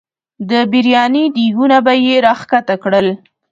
د بریاني دیګونه به یې را ښکته کړل.